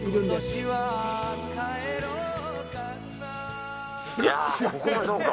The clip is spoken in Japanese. いや、ここがそうか。